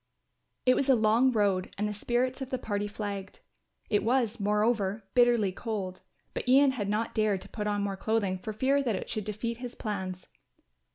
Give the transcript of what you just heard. It was a long road and the spirits of the party flagged. It was, moreover, bitterly cold, but Ian had not dared to put on more clothing for fear that it should defeat his plans.